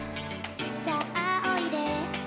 「さあおいで」